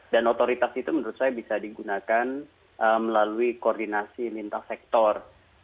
dan otoritas itu menurut saya bisa digunakan melalui koordinasi lintas sektor